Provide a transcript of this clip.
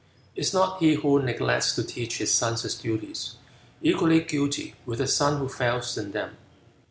Is not he who neglects to teach his son his duties, equally guilty with the son who fails in them?